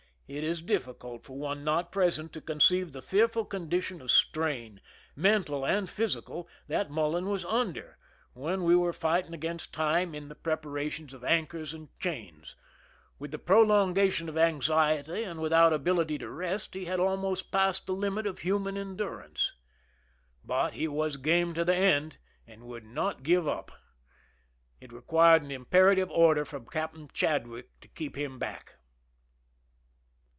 It is difficult for one not present to conceive the fearful condi tions of strain, mental and physical, that Mullen was under when we were fighting against time in 73 THE SINKING OF THE "MERRIMAC" / the preparation of anchors and chains. With the prolongation of anxiety, and without ability to rest, j he had almost passed the limit of human endurance. j But he was game to the end, and would not give \ up. It required an imperative order from Captain ! Chadwick to keep him back.